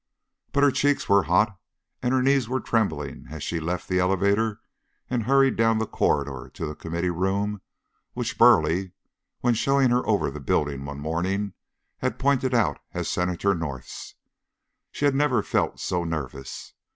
But her cheeks were hot and her knees were trembling as she left the elevator and hurried down the corridor to the Committee Room which Burleigh, when showing her over the building one morning, had pointed out as Senator North's. She never had felt so nervous.